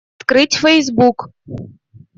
Открыть Facebook.